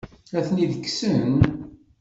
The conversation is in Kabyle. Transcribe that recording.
Ad ten-id-kksen?